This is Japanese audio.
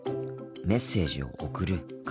メッセージを送るか。